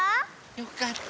よかった。